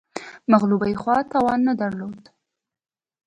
مغلوبې خوا توان نه درلود